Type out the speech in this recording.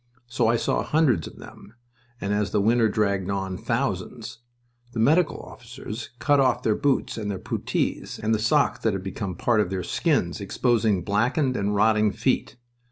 So I saw hundreds of them, and, as the winter dragged on, thousands. The medical officers cut off their boots and their puttees, and the socks that had become part of their skins, exposing blackened and rotting feet.